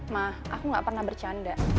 mah aku gak pernah bercanda